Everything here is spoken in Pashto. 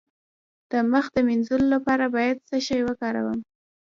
د مخ د مینځلو لپاره باید څه شی وکاروم؟